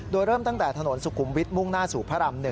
โดยเริ่มตั้งแต่ถนนสุขุมวิทย์มุ่งหน้าสู่พระราม๑